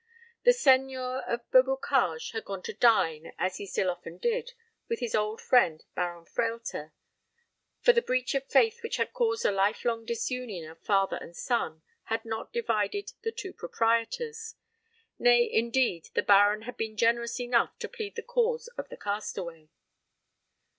The seigneur of Beaubocage had gone to dine, as he still often did, with his old friend Baron Frehlter; for the breach of faith which had caused a lifelong disunion of father and son had not divided the two proprietors. Nay, indeed the Baron had been generous enough to plead the cause of the castaway.